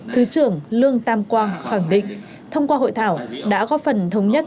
thứ trưởng lương tam quang khẳng định thông qua hội thảo đã góp phần thống nhất